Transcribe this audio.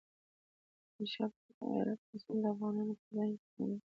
د احمدشاه بابا غیرت اوس هم د افغانانو په ذهن کې ژوندی دی.